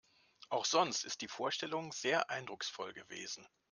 Auch sonst ist die Vorstellung sehr eindrucksvoll gewesen.